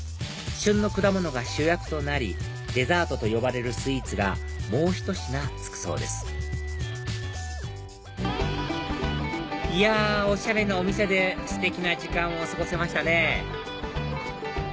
旬の果物が主役となりデザートと呼ばれるスイーツがもうひと品付くそうですいやおしゃれなお店でステキな時間を過ごせましたね